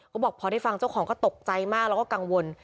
เขาบอกพอได้ฟังเจ้าของก็ตกใจมากแล้วก็กังวล